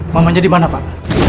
mamanya dimana pak